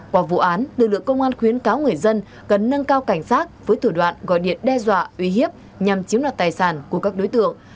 qua vụ án lực lượng công an khuyến cáo người dân cần nâng cao cảnh sát với thử đoạn gọi điện đe dọa uy hiếp nhằm chiếm đoạt tài sản của các đối tượng